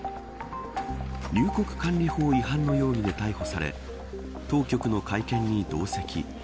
入国管理法違反の容疑で逮捕され当局の会見に同席。